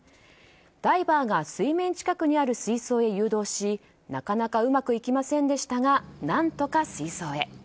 ダイバーが水面近くにある水槽へ誘導しなかなかうまくいきませんでしたが何とか水槽へ。